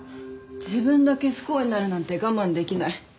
自分だけ不幸になるなんて我慢できない。